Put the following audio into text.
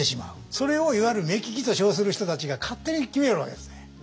それをいわゆる目利きと称する人たちが勝手に決めるわけですね。